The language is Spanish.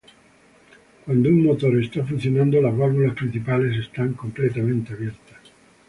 Cuando un motor está funcionando, las válvulas principales están completamente abiertas.